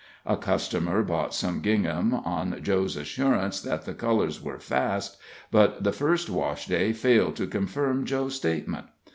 A customer bought some gingham, on Joe's assurance that the colors were fast, but the first washday failed to confirm Joe's statement.